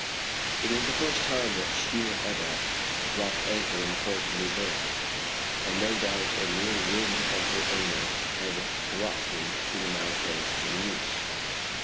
It was the first time that the schooner Ebba had dropped anchor in the port of New Berne, and no doubt a mere whim of her owner had brought him to the mouth of the Neuse.